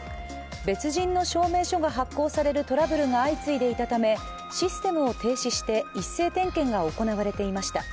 別人の証明書が発行されるトラブルが相次いでいたため、システムを停止して一斉点検が行われていました。